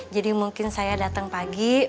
jadi mungkin saya datang pagi pulangnya soalnya mau tidur